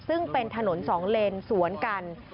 ซึ่งเป็นถนนสองเลนสวนกัน